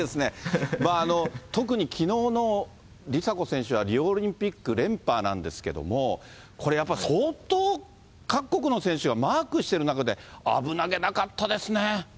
特にきのうの梨紗子選手は、リオオリンピック連覇なんですけども、これやっぱ、相当各国の選手がマークしてる中で、危なげなかったですね。